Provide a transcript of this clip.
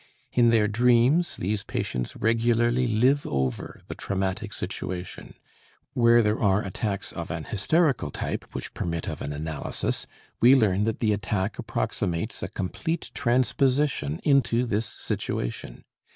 In their dreams these patients regularly live over the traumatic situation; where there are attacks of an hysterical type, which permit of an analysis, we learn that the attack approximates a complete transposition into this situation.